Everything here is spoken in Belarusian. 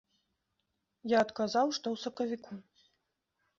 Я адказаў, што ў сакавіку.